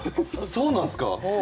そうなんすか？